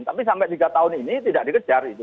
tapi sampai tiga tahun ini tidak dikejar itu